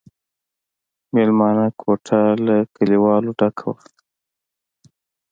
مېلمانه کوټه له کليوالو ډکه وه.